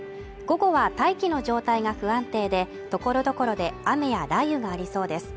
午後は大気の状態が不安定でところどころで雨や雷雨がありそうです